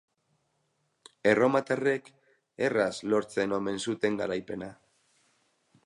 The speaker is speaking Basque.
Erromatarrek erraz lortzen omen zuten garaipena.